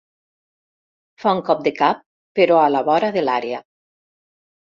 Fa un cop de cap, però a la vora de l'àrea.